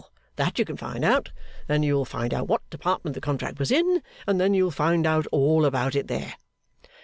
That you can find out. Then you'll find out what Department the contract was in, and then you'll find out all about it there.